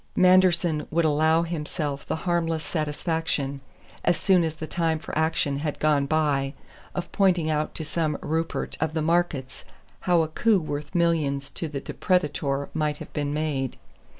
Manderson would allow himself the harmless satisfaction, as soon as the time for action had gone by, of pointing out to some Rupert of the markets how a coup worth a million to the depredator might have been made.